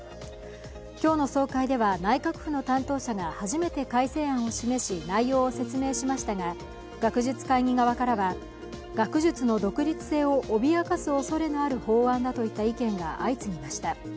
今日の総会では、内閣府の担当者が初めて改正案を示し内容を説明しましたが、学術会議側からは学術の独立性を脅かすおそれのある法案だといった意見が相次ぎました。